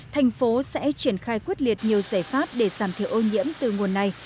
thành phố sẽ triển khai quyết liệt nhiều giải pháp để giảm thiểu ô nhiễm từ nguồn này